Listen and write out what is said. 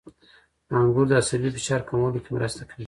• انګور د عصبي فشار کمولو کې مرسته کوي.